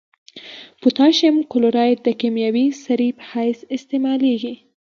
پوتاشیم کلورایډ د کیمیاوي سرې په حیث استعمالیږي.